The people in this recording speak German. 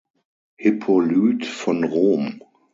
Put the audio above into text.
Hippolyt von Rom.